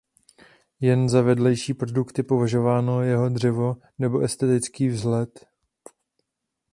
Jen za vedlejší produkt je považováno jeho dřevo nebo estetický vzhled.